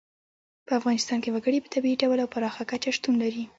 په افغانستان کې وګړي په طبیعي ډول او پراخه کچه شتون لري.